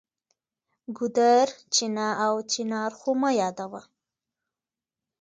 ګودر، چینه او چنار خو مه یادوه.